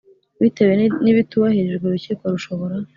Bitewe n ibitubahirijwe urukiko rushobora